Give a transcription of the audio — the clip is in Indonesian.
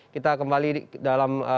kita kembali dalam